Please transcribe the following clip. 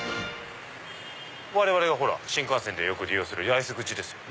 我々が新幹線でよく利用する八重洲口ですよ。